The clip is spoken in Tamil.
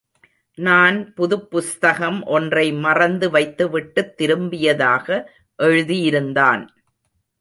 நான் புதுப் புஸ்தகம் ஒன்றை மறந்து வைத்துவிட்டுத் திரும்பியதாக எழுதியிருந்தான்.